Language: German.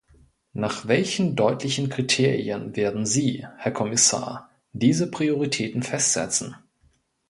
Nach welchen deutlichen Kriterien werden Sie, Herr Kommissar, diese Prioritäten festsetzen?